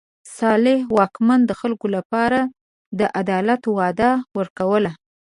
صالح واکمن د خلکو لپاره د عدالت وعده ورکوله.